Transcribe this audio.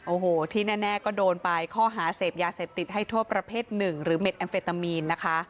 โอ้โหที่แน่ก็โดนไปข้อหาเสพยาเสพติดให้โทษประเภทหนึ่งหรือเม็ดแอมเฟตามีนนะคะ